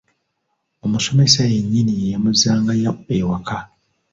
Omusomesa yennyini ye yamuzzangayo ewaka.